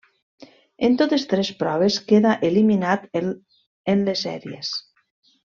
En totes tres proves quedà eliminat en les sèries.